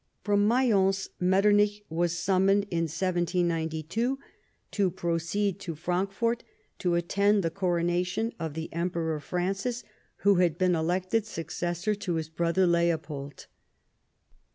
From Mayence, Metternich was summoned, in 1792, to proceed to Frankfort to attend the coronation of the Emperor Francis, who had been elected successor to his brother Leopold.